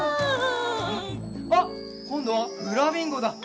あっこんどはフラミンゴだ！